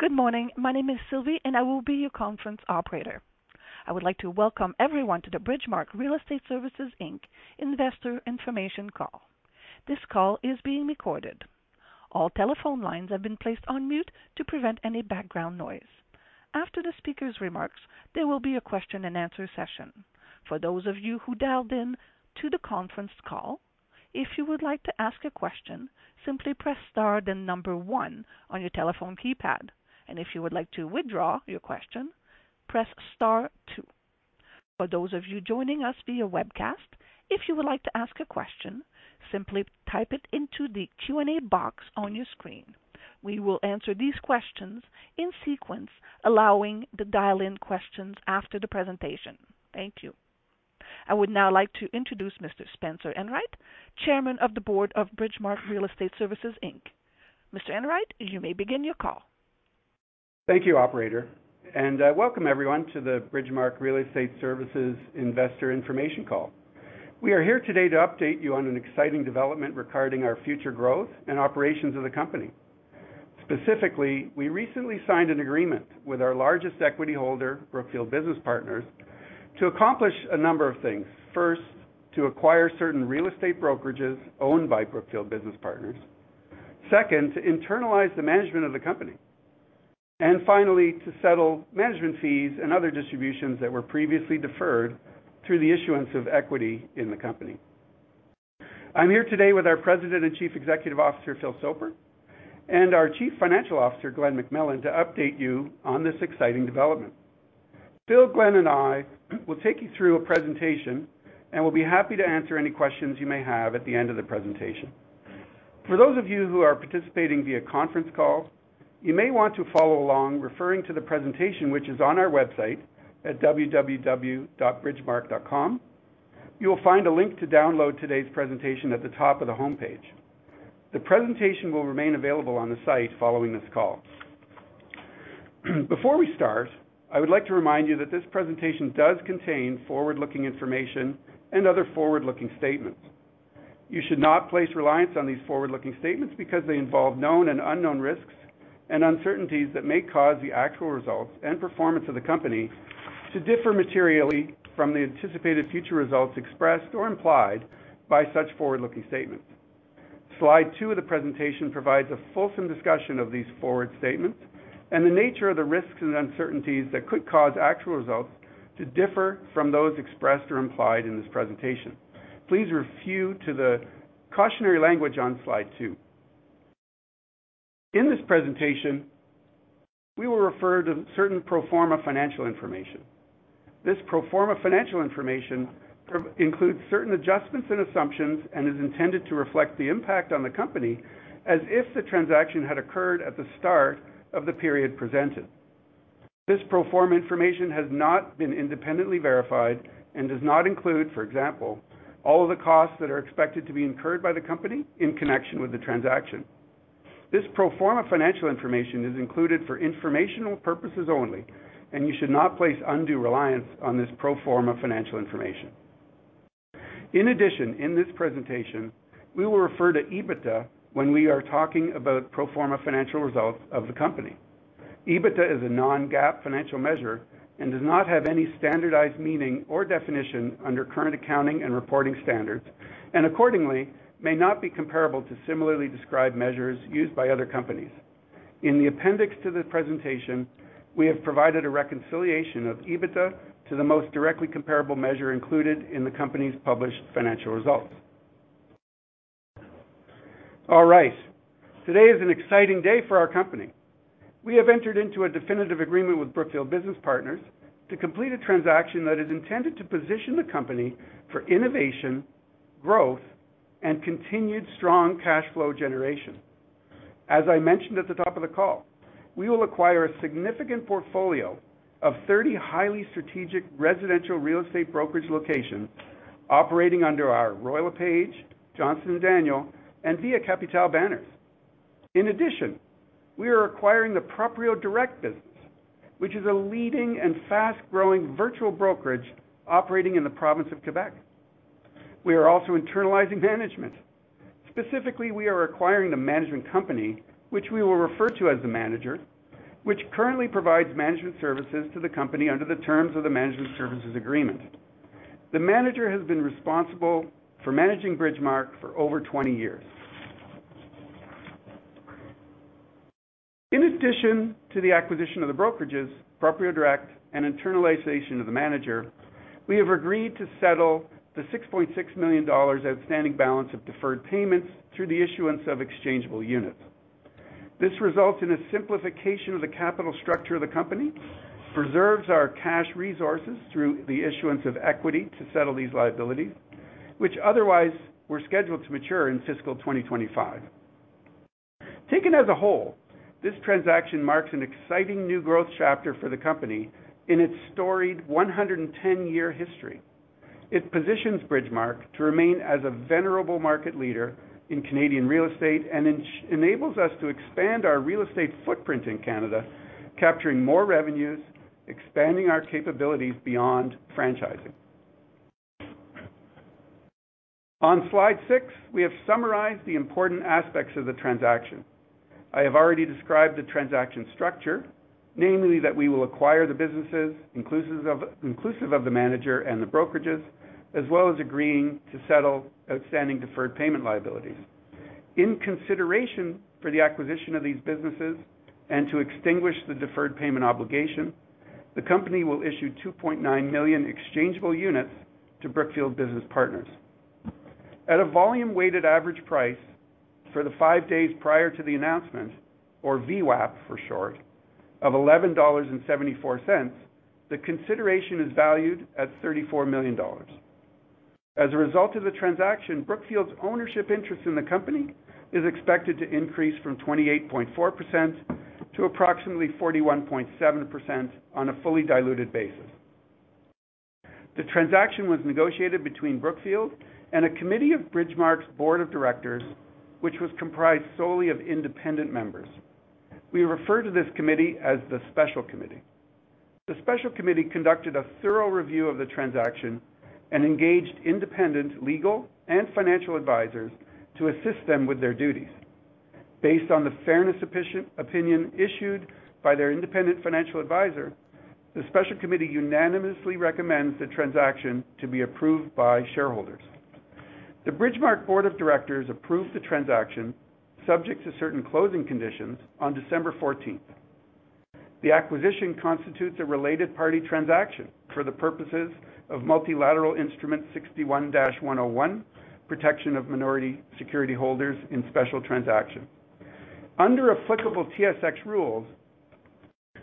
Good morning. My name is Sylvie, and I will be your conference operator. I would like to welcome everyone to the Bridgemarq Real Estate Services Inc. Investor Information Call. This call is being recorded. All telephone lines have been placed on mute to prevent any background noise. After the speaker's remarks, there will be a question and answer session. For those of you who dialed in to the conference call, if you would like to ask a question, simply press star, then number one on your telephone keypad. If you would like to withdraw your question, press star two. For those of you joining us via webcast, if you would like to ask a question, simply type it into the Q&A box on your screen. We will answer these questions in sequence, allowing the dial-in questions after the presentation. Thank you. I would now like to introduce Mr. Spencer Enright, Chairman of the Board of Bridgemarq Real Estate Services Inc. Mr. Enright, you may begin your call. Thank you, operator, and welcome everyone to the Bridgemarq Real Estate Services Investor Information Call. We are here today to update you on an exciting development regarding our future growth and operations of the company. Specifically, we recently signed an agreement with our largest equity holder, Brookfield Business Partners, to accomplish a number of things. First, to acquire certain real estate brokerages owned by Brookfield Business Partners. Second, to internalize the management of the company. And finally, to settle management fees and other distributions that were previously deferred through the issuance of equity in the company. I'm here today with our President and Chief Executive Officer, Phil Soper, and our Chief Financial Officer, Glen McMillan, to update you on this exciting development. Phil, Glen, and I will take you through a presentation, and we'll be happy to answer any questions you may have at the end of the presentation. For those of you who are participating via conference call, you may want to follow along, referring to the presentation, which is on our website at www.bridgemarq.com. You will find a link to download today's presentation at the top of the homepage. The presentation will remain available on the site following this call. Before we start, I would like to remind you that this presentation does contain forward-looking information and other forward-looking statements. You should not place reliance on these forward-looking statements because they involve known and unknown risks and uncertainties that may cause the actual results and performance of the company to differ materially from the anticipated future results expressed or implied by such forward-looking statements. Slide two of the presentation provides a fulsome discussion of these forward statements and the nature of the risks and uncertainties that could cause actual results to differ from those expressed or implied in this presentation. Please refer to the cautionary language on Slide two. In this presentation, we will refer to certain pro forma financial information. This pro forma financial information includes certain adjustments and assumptions and is intended to reflect the impact on the company as if the transaction had occurred at the start of the period presented. This pro forma information has not been independently verified and does not include, for example, all of the costs that are expected to be incurred by the company in connection with the transaction. This pro forma financial information is included for informational purposes only, and you should not place undue reliance on this pro forma financial information. In addition, in this presentation, we will refer to EBITDA when we are talking about pro forma financial results of the company. EBITDA is a non-GAAP financial measure and does not have any standardized meaning or definition under current accounting and reporting standards, and accordingly, may not be comparable to similarly described measures used by other companies. In the appendix to this presentation, we have provided a reconciliation of EBITDA to the most directly comparable measure included in the company's published financial results. All right. Today is an exciting day for our company. We have entered into a definitive agreement with Brookfield Business Partners to complete a transaction that is intended to position the company for innovation, growth, and continued strong cash flow generation. As I mentioned at the top of the call, we will acquire a significant portfolio of 30 highly strategic residential real estate brokerage locations operating under our Royal LePage, Johnston & Daniel, and Via Capitale banners. In addition, we are acquiring the Proprio Direct business, which is a leading and fast-growing virtual brokerage operating in the province of Quebec. We are also internalizing management. Specifically, we are acquiring the management company, which we will refer to as the Manager, which currently provides management services to the company under the terms of the Management Services Agreement. The Manager has been responsible for managing Bridgemarq for over 20 years. In addition to the acquisition of the brokerages, Proprio Direct and internalization of the Manager, we have agreed to settle the 6.6 million dollars outstanding balance of deferred payments through the issuance of Exchangeable Units. This results in a simplification of the capital structure of the company, preserves our cash resources through the issuance of equity to settle these liabilities, which otherwise were scheduled to mature in fiscal 2025. Taken as a whole, this transaction marks an exciting new growth chapter for the company in its storied 110-year history. It positions Bridgemarq to remain as a venerable market leader in Canadian real estate and enables us to expand our real estate footprint in Canada, capturing more revenues, expanding our capabilities beyond franchising. On slide 6, we have summarized the important aspects of the transaction. I have already described the transaction structure, namely, that we will acquire the businesses, inclusive of, inclusive of the Manager and the brokerages, as well as agreeing to settle outstanding deferred payment liabilities. In consideration for the acquisition of these businesses and to extinguish the deferred payment obligation, the company will issue 2.9 million Exchangeable Units to Brookfield Business Partners. At a volume-weighted average price for the 5 days prior to the announcement, or VWAP for short, of 11.74 dollars, the consideration is valued at 34 million dollars. As a result of the transaction, Brookfield's ownership interest in the company is expected to increase from 28.4% to approximately 41.7% on a fully diluted basis. The transaction was negotiated between Brookfield and a committee of Bridgemarq's Board of Directors, which was comprised solely of independent members. We refer to this committee as the Special Committee. The Special Committee conducted a thorough review of the transaction and engaged independent legal and financial advisors to assist them with their duties. Based on the fairness opinion issued by their independent financial advisor, the Special Committee unanimously recommends the transaction to be approved by shareholders. The Bridgemarq Board of Directors approved the transaction, subject to certain closing conditions, on December fourteenth. The acquisition constitutes a related party transaction for the purposes of Multilateral Instrument 61-101, Protection of Minority Security Holders in Special Transactions. Under applicable TSX rules,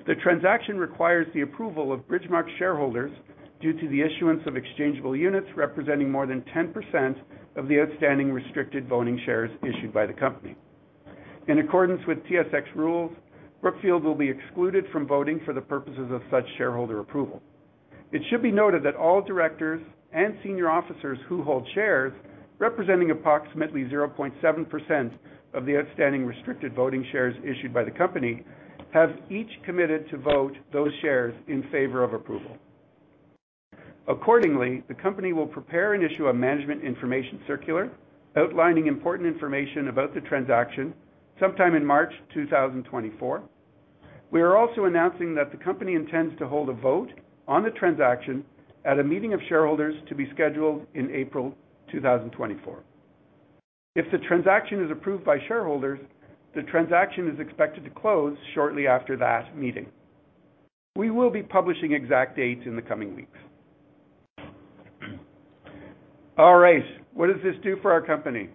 the transaction requires the approval of Bridgemarq's shareholders due to the issuance of Exchangeable Units, representing more than 10% of the outstanding Restricted Voting Shares issued by the company. In accordance with TSX rules, Brookfield will be excluded from voting for the purposes of such shareholder approval. It should be noted that all directors and senior officers who hold shares, representing approximately 0.7% of the outstanding Restricted Voting Shares issued by the company, have each committed to vote those shares in favor of approval. Accordingly, the company will prepare and issue a Management Information Circular outlining important information about the transaction sometime in March 2024. We are also announcing that the company intends to hold a vote on the transaction at a meeting of shareholders to be scheduled in April 2024. If the transaction is approved by shareholders, the transaction is expected to close shortly after that meeting. We will be publishing exact dates in the coming weeks. All right, what does this do for our company?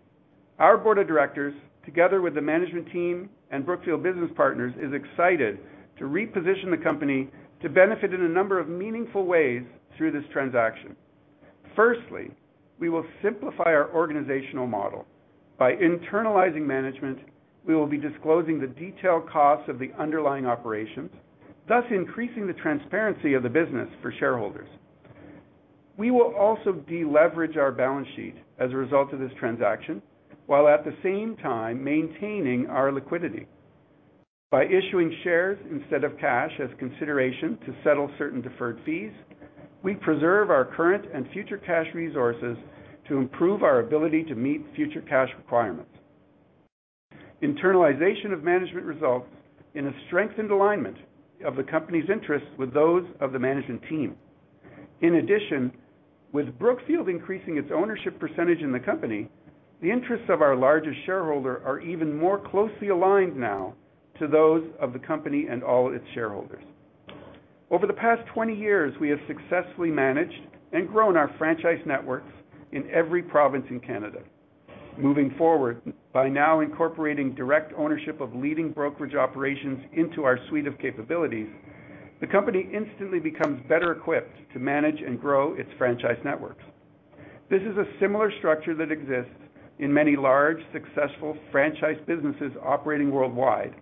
Our board of directors, together with the management team and Brookfield Business Partners, is excited to reposition the company to benefit in a number of meaningful ways through this transaction. Firstly, we will simplify our organizational model. By internalizing management, we will be disclosing the detailed costs of the underlying operations, thus increasing the transparency of the business for shareholders. We will also deleverage our balance sheet as a result of this transaction, while at the same time maintaining our liquidity. By issuing shares instead of cash as consideration to settle certain deferred fees, we preserve our current and future cash resources to improve our ability to meet future cash requirements. Internalization of management results in a strengthened alignment of the company's interests with those of the management team. In addition, with Brookfield increasing its ownership percentage in the company, the interests of our largest shareholder are even more closely aligned now to those of the company and all its shareholders. Over the past 20 years, we have successfully managed and grown our franchise networks in every province in Canada. Moving forward, by now incorporating direct ownership of leading brokerage operations into our suite of capabilities, the company instantly becomes better equipped to manage and grow its franchise networks. This is a similar structure that exists in many large, successful franchise businesses operating worldwide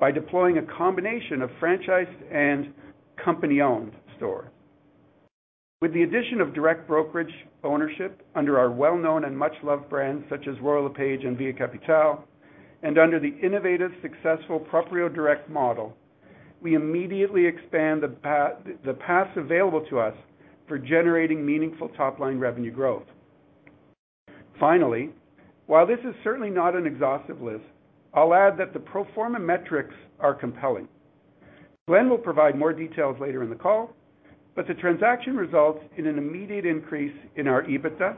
by deploying a combination of franchise and company-owned store. With the addition of direct brokerage ownership under our well-known and much-loved brands, such as Royal LePage and Via Capitale, and under the innovative, successful Proprio Direct model, we immediately expand the path, the paths available to us for generating meaningful top-line revenue growth. Finally, while this is certainly not an exhaustive list, I'll add that the pro forma metrics are compelling. Glen will provide more details later in the call, but the transaction results in an immediate increase in our EBITDA,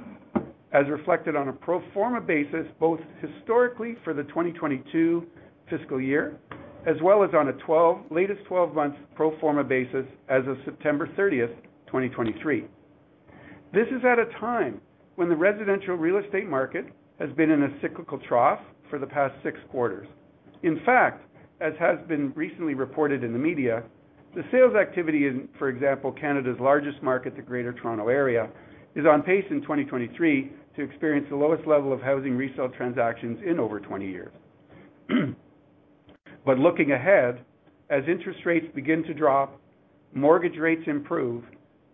as reflected on a pro forma basis, both historically for the 2022 fiscal year, as well as on a twelve-month latest twelve months pro forma basis as of September 30, 2023. This is at a time when the residential real estate market has been in a cyclical trough for the past 6 quarters. In fact, as has been recently reported in the media, the sales activity in, for example, Canada's largest market, the Greater Toronto Area, is on pace in 2023 to experience the lowest level of housing resale transactions in over 20 years. But looking ahead, as interest rates begin to drop, mortgage rates improve,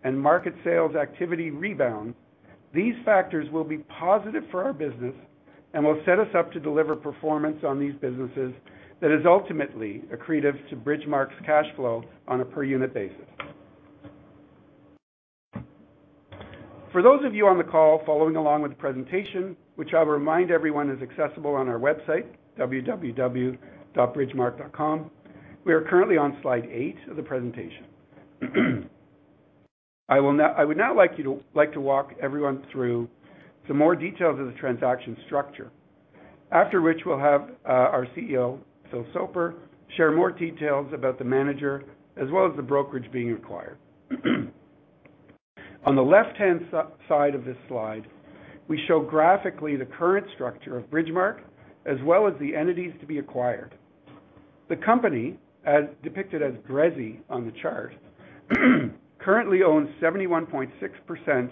and market sales activity rebound, these factors will be positive for our business and will set us up to deliver performance on these businesses that is ultimately accretive to Bridgemarq's cash flow on a per-unit basis. For those of you on the call following along with the presentation, which I'll remind everyone, is accessible on our website, www.bridgemarq.com, we are currently on slide 8 of the presentation. I would now like to walk everyone through some more details of the transaction structure. After which, we'll have our CEO, Phil Soper, share more details about the manager, as well as the brokerage being acquired. On the left-hand side of this slide, we show graphically the current structure of Bridgemarq, as well as the entities to be acquired. The company, as depicted as BRE on the chart, is currently owned 71.6%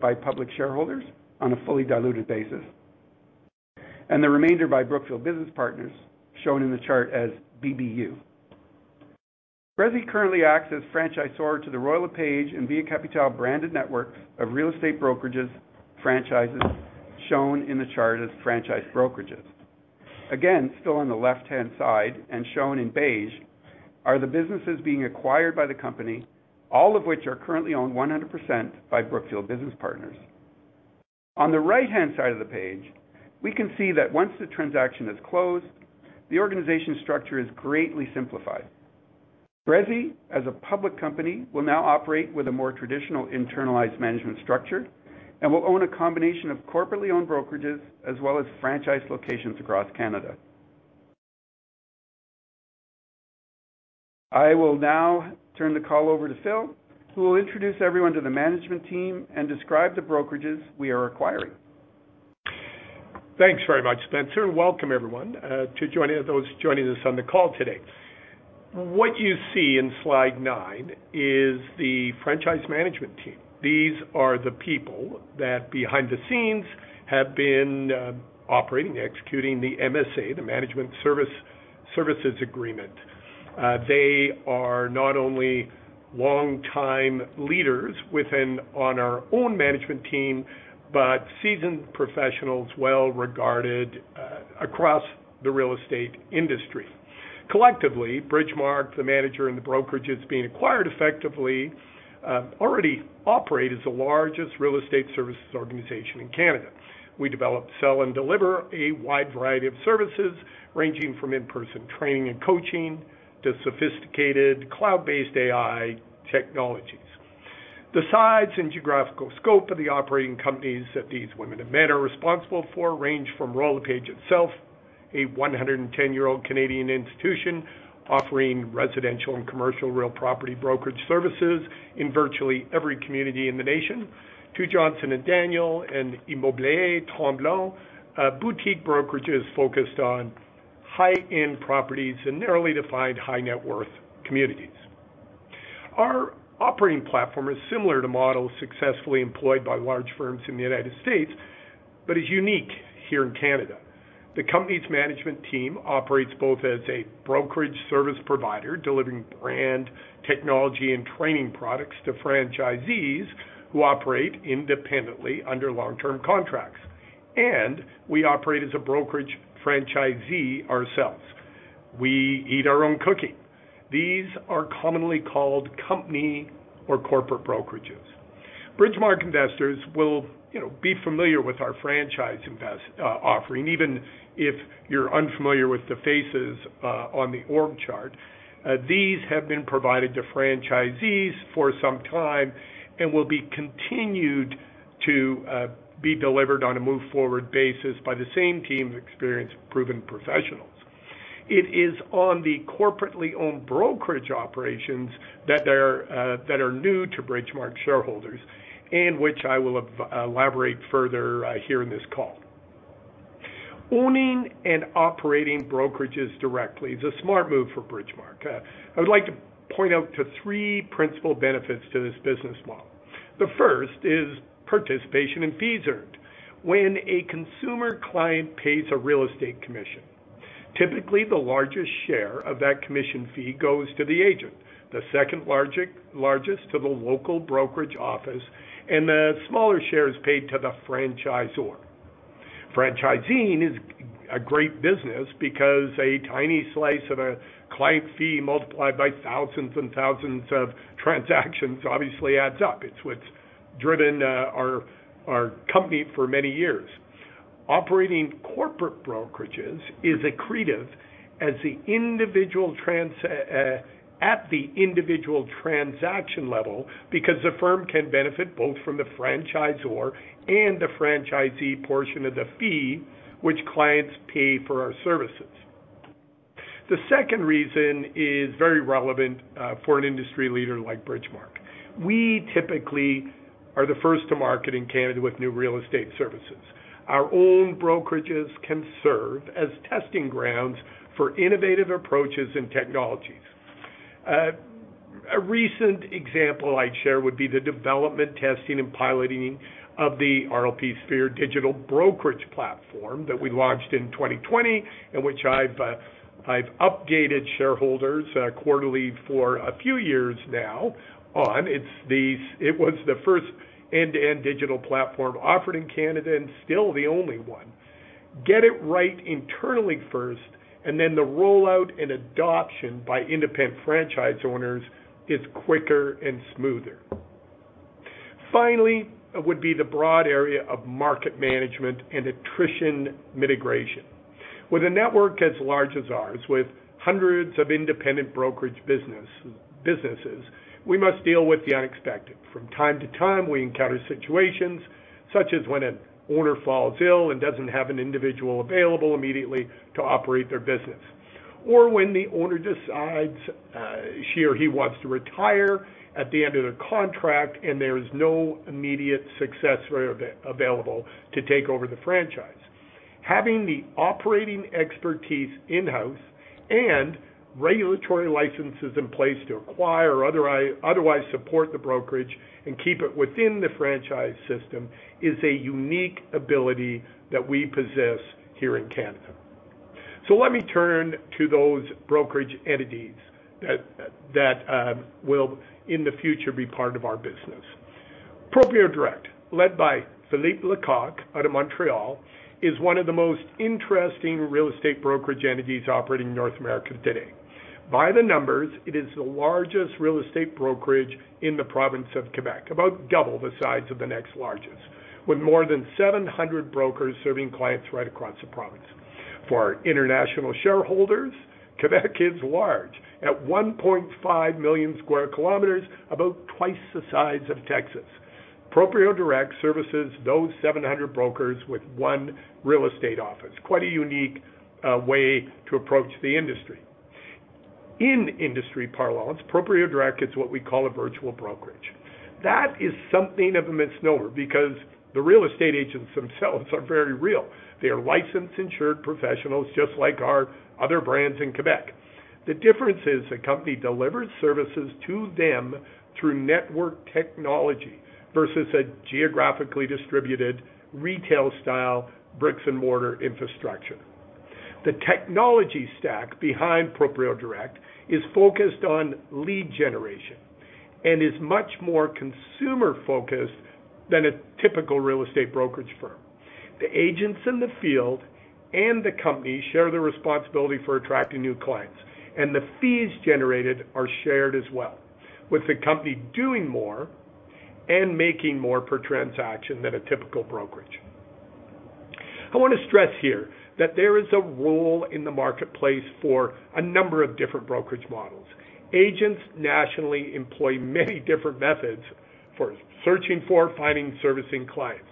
by public shareholders on a fully diluted basis, and the remainder by Brookfield Business Partners, shown in the chart as BBU. BRE currently acts as franchisor to the Royal LePage and Via Capitale branded network of real estate brokerages, franchises, shown in the chart as franchise brokerages. Again, still on the left-hand side and shown in beige, are the businesses being acquired by the company, all of which are currently owned 100% by Brookfield Business Partners. On the right-hand side of the page, we can see that once the transaction is closed, the organization structure is greatly simplified. BRE, as a public company, will now operate with a more traditional internalized management structure and will own a combination of corporately owned brokerages as well as franchise locations across Canada. I will now turn the call over to Phil, who will introduce everyone to the management team and describe the brokerages we are acquiring. Thanks very much, Spencer, and welcome everyone to those joining us on the call today. What you see in slide nine is the franchise management team. These are the people that, behind the scenes, have been operating, executing the MSA, the Management Services Agreement. They are not only long-time leaders within our own management team, but seasoned professionals, well regarded across the real estate industry. Collectively, Bridgemarq, the manager, and the brokerages being acquired effectively already operate as the largest real estate services organization in Canada. We develop, sell, and deliver a wide variety of services, ranging from in-person training and coaching to sophisticated cloud-based AI technologies. The size and geographical scope of the operating companies that these women and men are responsible for range from Royal LePage itself, a 110-year-old Canadian institution, offering residential and commercial real property brokerage services in virtually every community in the nation, to Johnston & Daniel and Les Immeubles Mont-Tremblant, boutique brokerages focused on high-end properties in narrowly defined high net worth communities. Our operating platform is similar to models successfully employed by large firms in the United States, but is unique here in Canada. The company's management team operates both as a brokerage service provider, delivering brand, technology, and training products to franchisees who operate independently under long-term contracts, and we operate as a brokerage franchisee ourselves. We eat our own cooking. These are commonly called company or corporate brokerages. Bridgemarq investors will, you know, be familiar with our franchise invest offering, even if you're unfamiliar with the faces on the org chart. These have been provided to franchisees for some time and will be continued to be delivered on a move-forward basis by the same team of experienced, proven professionals. It is on the corporately owned brokerage operations that are new to Bridgemarq shareholders, and which I will elaborate further here in this call. Owning and operating brokerages directly is a smart move for Bridgemarq. I would like to point out to three principal benefits to this business model. The first is participation in fees earned. When a consumer client pays a real estate commission, typically the largest share of that commission fee goes to the agent, the second largest to the local brokerage office, and the smaller share is paid to the franchisor. Franchising is a great business because a tiny slice of a client fee multiplied by thousands and thousands of transactions obviously adds up. It's what's driven our company for many years. Operating corporate brokerages is accretive at the individual transaction level, because the firm can benefit both from the franchisor and the franchisee portion of the fee, which clients pay for our services. The second reason is very relevant for an industry leader like Bridgemarq. We typically are the first to market in Canada with new real estate services. Our own brokerages can serve as testing grounds for innovative approaches and technologies. A recent example I'd share would be the development, testing, and piloting of the rlpSPHERE digital brokerage platform that we launched in 2020, and which I've updated shareholders quarterly for a few years now on. It was the first end-to-end digital platform offered in Canada and still the only one. Get it right internally first, and then the rollout and adoption by independent franchise owners is quicker and smoother. Finally, would be the broad area of market management and attrition mitigation. With a network as large as ours, with hundreds of independent brokerage businesses, we must deal with the unexpected. From time to time, we encounter situations such as when an owner falls ill and doesn't have an individual available immediately to operate their business, or when the owner decides she or he wants to retire at the end of the contract, and there is no immediate successor available to take over the franchise. Having the operating expertise in-house and regulatory licenses in place to acquire or otherwise support the brokerage and keep it within the franchise system is a unique ability that we possess here in Canada. So let me turn to those brokerage entities that will, in the future, be part of our business. Proprio Direct, led by Philippe Lecoq, out of Montréal, is one of the most interesting real estate brokerage entities operating in North America today. By the numbers, it is the largest real estate brokerage in the province of Quebec, about double the size of the next largest, with more than 700 brokers serving clients right across the province. For our international shareholders, Quebec is large, at 1.5 million square kilometers, about twice the size of Texas. Proprio Direct services those 700 brokers with one real estate office. Quite a unique way to approach the industry. In industry parlance, Proprio Direct is what we call a virtual brokerage. That is something of a misnomer, because the real estate agents themselves are very real. They are licensed, insured professionals, just like our other brands in Quebec. The difference is the company delivers services to them through network technology versus a geographically distributed, retail-style, bricks-and-mortar infrastructure. The technology stack behind Proprio Direct is focused on lead generation and is much more consumer-focused than a typical real estate brokerage firm. The agents in the field and the company share the responsibility for attracting new clients, and the fees generated are shared as well, with the company doing more and making more per transaction than a typical brokerage. I want to stress here that there is a role in the marketplace for a number of different brokerage models. Agents nationally employ many different methods for searching for, finding, servicing clients.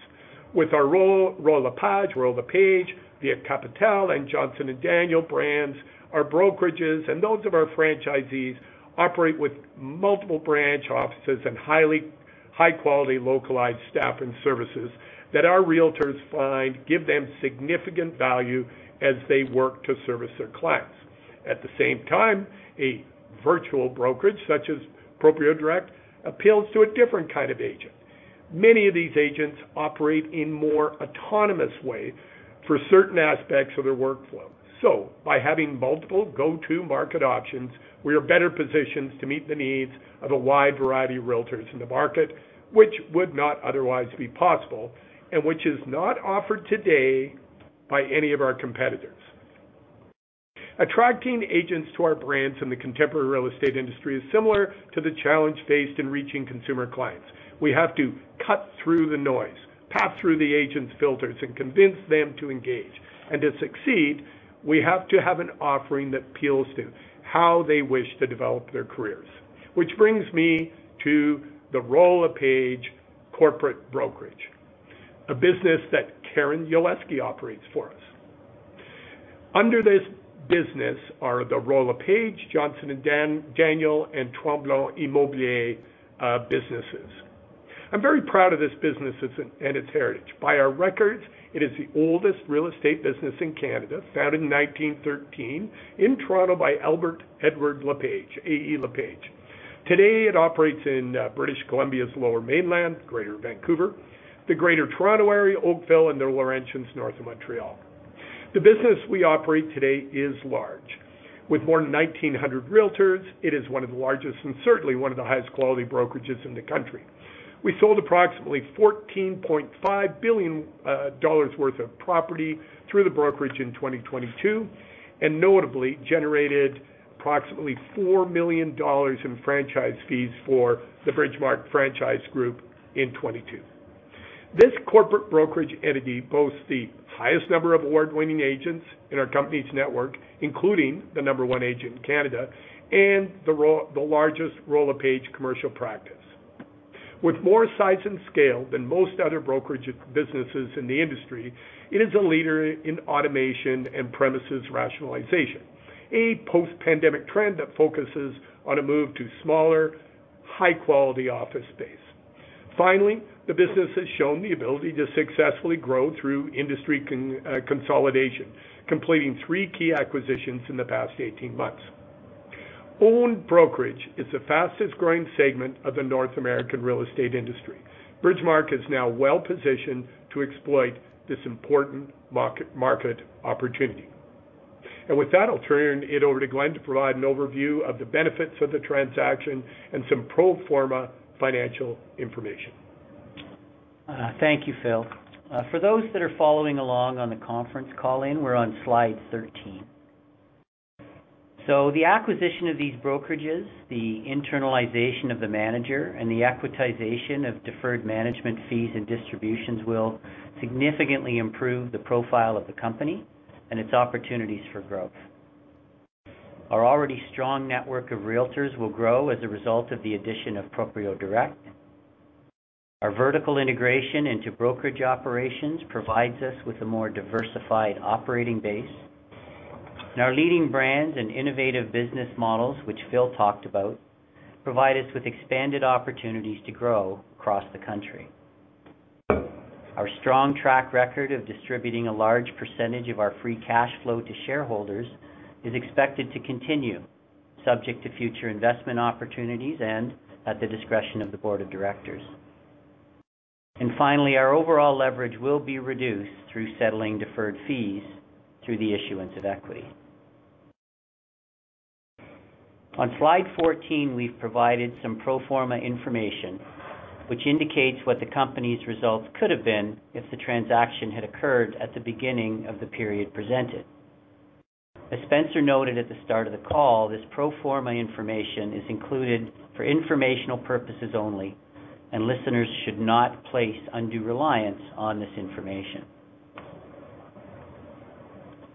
With our Royal LePage, Via Capitale, and Johnston & Daniel brands, our brokerages and those of our franchisees operate with multiple branch offices and high-quality, localized staff and services that our realtors find give them significant value as they work to service their clients. At the same time, a virtual brokerage, such as Proprio Direct, appeals to a different kind of agent. Many of these agents operate in more autonomous ways for certain aspects of their workflow. So by having multiple go-to market options, we are better positioned to meet the needs of a wide variety of realtors in the market, which would not otherwise be possible and which is not offered today by any of our competitors. Attracting agents to our brands in the contemporary real estate industry is similar to the challenge faced in reaching consumer clients. We have to cut through the noise, pass through the agents' filters, and convince them to engage. And to succeed, we have to have an offering that appeals to how they wish to develop their careers. Which brings me to the Royal LePage corporate brokerage, a business that Karen Yolevski operates for us. Under this business are the Royal LePage, Johnston and Daniel, and Les Immeubles Mont-Tremblant businesses. I'm very proud of this business and its heritage. By our records, it is the oldest real estate business in Canada, founded in 1913 in Toronto by Albert Edward LePage, A.E. LePage. Today, it operates in British Columbia's Lower Mainland, Greater Vancouver, the Greater Toronto Area, Oakville, and the Laurentians, north of Montreal. The business we operate today is large. With more than 1,900 realtors, it is one of the largest and certainly one of the highest quality brokerages in the country. We sold approximately 14.5 billion dollars worth of property through the brokerage in 2022, and notably generated approximately 4 million dollars in franchise fees for the Bridgemarq Franchise Group in 2022. This corporate brokerage entity boasts the highest number of award-winning agents in our company's network, including the number one agent in Canada and the largest Royal LePage commercial practice. With more size and scale than most other brokerage businesses in the industry, it is a leader in automation and premises rationalization, a post-pandemic trend that focuses on a move to smaller, high-quality office space. Finally, the business has shown the ability to successfully grow through industry consolidation, completing three key acquisitions in the past 18 months. Owned brokerage is the fastest-growing segment of the North American real estate industry. Bridgemarq is now well-positioned to exploit this important market opportunity. And with that, I'll turn it over to Glen to provide an overview of the benefits of the transaction and some pro forma financial information. Thank you, Phil. For those that are following along on the conference call-in, we're on slide 13. The acquisition of these brokerages, the internalization of the manager, and the equitization of deferred management fees and distributions will significantly improve the profile of the company and its opportunities for growth. Our already strong network of Realtors will grow as a result of the addition of Proprio Direct. Our vertical integration into brokerage operations provides us with a more diversified operating base. Our leading brands and innovative business models, which Phil talked about, provide us with expanded opportunities to grow across the country. Our strong track record of distributing a large percentage of our free cash flow to shareholders is expected to continue, subject to future investment opportunities and at the discretion of the board of directors. Finally, our overall leverage will be reduced through settling deferred fees through the issuance of equity. On slide 14, we've provided some pro forma information which indicates what the company's results could have been if the transaction had occurred at the beginning of the period presented. As Spencer noted at the start of the call, this pro forma information is included for informational purposes only, and listeners should not place undue reliance on this information.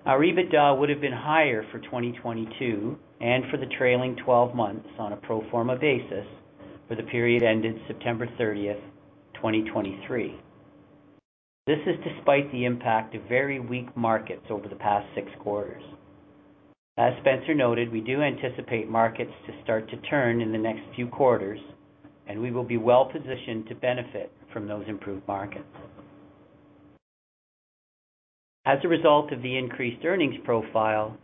Our EBITDA would have been higher for 2022 and for the trailing twelve months on a pro forma basis for the period ended September 30, 2023. This is despite the impact of very weak markets over the past 6 quarters. As Spencer noted, we do anticipate markets to start to turn in the next few quarters, and we will be well-positioned to benefit from those improved markets. As a result of the increased earnings profile,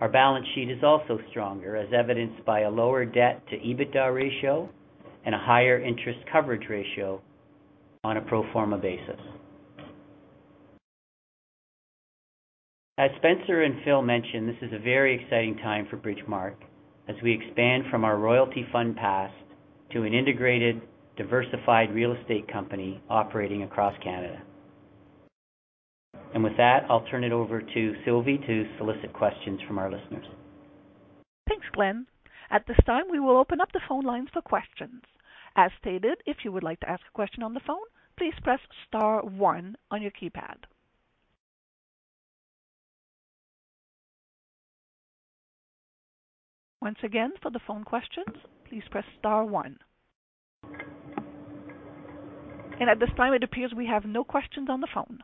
our balance sheet is also stronger, as evidenced by a lower debt to EBITDA ratio and a higher interest coverage ratio on a pro forma basis. As Spencer and Phil mentioned, this is a very exciting time for Bridgemarq as we expand from our royalty fund past to an integrated, diversified real estate company operating across Canada. With that, I'll turn it over to Sylvie to solicit questions from our listeners. Thanks, Glen. At this time, we will open up the phone lines for questions. As stated, if you would like to ask a question on the phone, please press star one on your keypad. Once again, for the phone questions, please press star one. At this time, it appears we have no questions on the phone.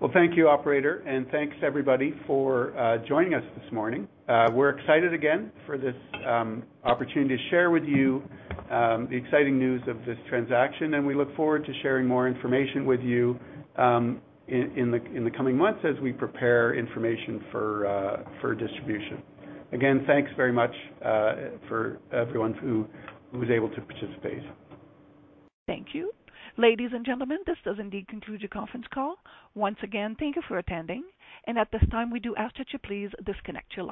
Well, thank you, operator, and thanks, everybody, for joining us this morning. We're excited again for this opportunity to share with you the exciting news of this transaction, and we look forward to sharing more information with you in the coming months as we prepare information for distribution. Again, thanks very much for everyone who was able to participate. Thank you. Ladies and gentlemen, this does indeed conclude your conference call. Once again, thank you for attending, and at this time, we do ask that you please disconnect your lines.